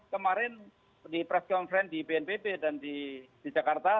kemarin di press conference di bnpb dan di jakarta